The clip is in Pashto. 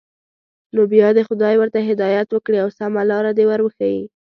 نو بیا دې خدای ورته هدایت وکړي او سمه لاره دې ور وښيي.